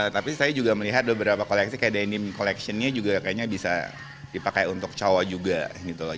tapi saya juga melihat beberapa koleksi kayak denim collectionnya juga kayaknya bisa dipakai untuk cowok juga gitu loh